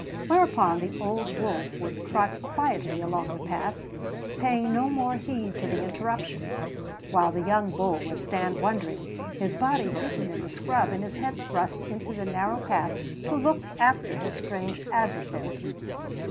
Whereupon the old wolf would trot quietly along the path, paying no more heed to the interruption; while the young bull would stand wondering, his body hidden in the scrub and his head thrust into the narrow path to look after his strange adversary.